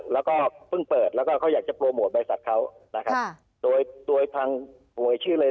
แล้วก็เพิ่งเปิดแล้วก็เขาอยากจะโปรโมทบริษัทเขานะครับ